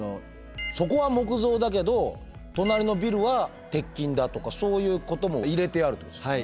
そこは木造だけど隣のビルは鉄筋だとかそういうことも入れてあるってことですか？